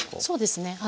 そうですね。